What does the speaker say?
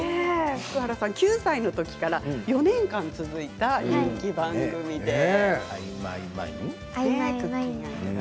福原さん、９歳の時から４年間、続いた人気番組です。